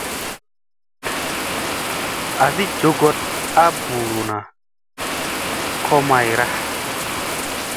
Asi njogoɗ ga ɓuruna ko mayra.